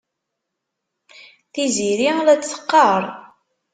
Tiziri la t-teqqar.